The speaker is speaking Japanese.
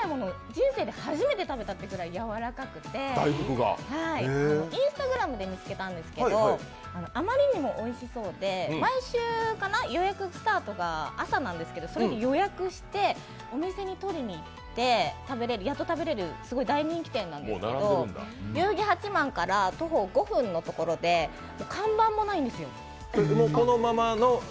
人生で初めて食べたというぐらいやわらかくてＩｎｓｔａｇｒａｍで見つけたんですけどあまりにもおいしそうで、毎週、予約スタートが朝なんですけどそれで予約して、お店に取りに行ってやっと食べれるすごい大人気店なんですけど代々木八幡から徒歩５分のところで看板もないんですよ。